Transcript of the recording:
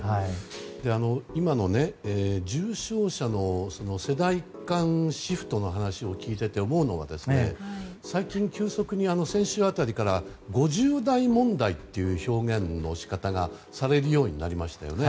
今の重症者の世代間シフトの話を聞いていて思うのは最近、急速に先週辺りから５０代問題という表現の仕方がされるようになりましたよね。